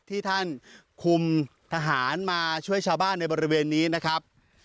ที่ท่านคุมทหารมาช่วยชาวบ้านในบริเวณนี้นะครับ